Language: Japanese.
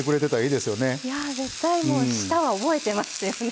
いやぁ絶対もう舌は覚えてますよね。